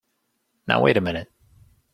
Now wait a minute!